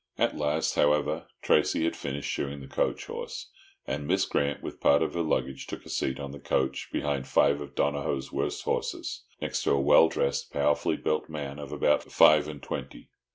At last, however, Tracey had finished shoeing the coach horse, and Miss Grant, with part of her luggage, took a seat on the coach behind five of Donohoe's worst horses, next to a well dressed, powerfully built man of about five and twenty.